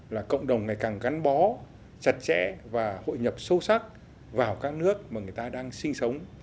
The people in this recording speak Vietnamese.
là cộng đồng ngày càng gắn bó chặt chẽ và hội nhập sâu sắc vào các nước mà người ta đang sinh sống